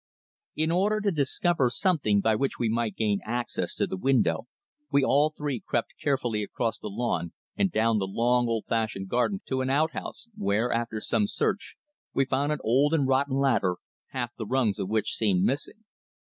In order to discover something by which we might gain access to the window we all three crept carefully across the lawn and down the long old fashioned garden to an outhouse, where, after some search, we found an old and rotten ladder, half the rungs of which seemed missing.